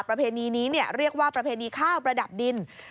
ประเพณีนี้เรียกว่าประเพณีข้าวประดับดิน